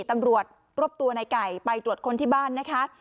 ตำรวจรวบตัวในไก่ไปตรวจคนที่บ้านนะคะ